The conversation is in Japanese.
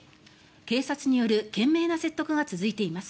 警察による懸命な説得が続いています。